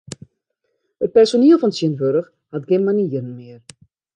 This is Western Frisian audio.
It personiel fan tsjintwurdich hat gjin manieren mear.